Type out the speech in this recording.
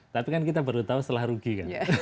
tapi kan kita baru tahu setelah rugi kan